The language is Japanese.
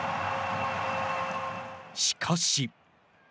しかし。